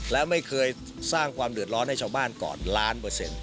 และไม่เคยสร้างความเดือดร้อนให้ชาวบ้านก่อนล้านเปอร์เซ็นต์